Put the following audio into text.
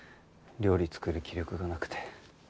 料理作る気力がなくて。